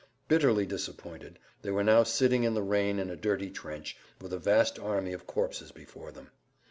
Bitterly disappointed they were now sitting in the rain in a dirty trench, with a vast army of corpses before them.